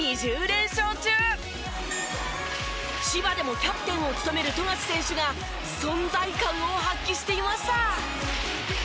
千葉でもキャプテンを務める富樫選手が存在感を発揮していました。